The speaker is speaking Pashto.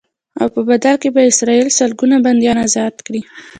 او په بدل کې به اسرائیل سلګونه بنديان ازاد کړي.